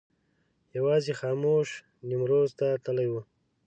یوازې خاموش نیمروز ته تللی و.